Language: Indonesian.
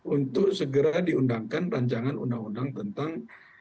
untuk segera diundangkan rancangan undang undang tentang